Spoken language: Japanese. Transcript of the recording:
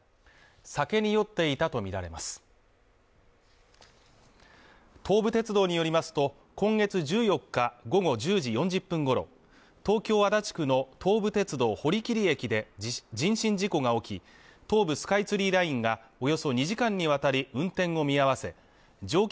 酒に酔っていたと見られます東武鉄道によりますと今月１４日午後１０時４０分ごろ東京足立区の東武鉄道堀切駅で人身事故が起き東武スカイツリーラインがおよそ２時間にわたり運転を見合わせ乗客